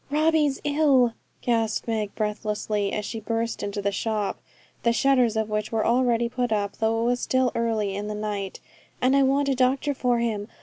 'Robbie's very ill,' gasped Meg, breathlessly, as she burst into the shop, the shutters of which were already put up, though it was still early in the night, 'and I want a doctor for him.